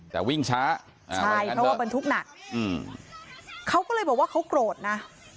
แต่วิ่งช้าใช่เพราะว่าบรรทุกหนักเขาก็เลยบอกว่าเขาโกรธนะ